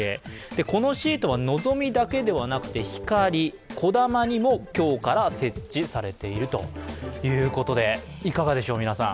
このシートは、のぞみだけではなくて、ひかり、こだまにも今日から設置されているということで、いかがでしょう、皆さん。